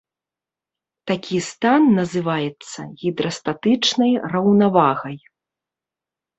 Такі стан называецца гідрастатычнай раўнавагай.